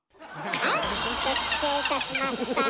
はい決定いたしました！